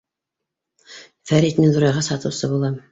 — Фәрит, мин ҙурайғас, һатыусы булам.